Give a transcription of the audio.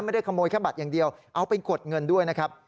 ไม่ได้ขโมยแค่บัตรอย่างเดียวเอาไปกดเงินด้วยนะครับ